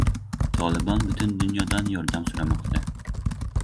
"Tolibon" butun dunyodan yordam so‘ramoqda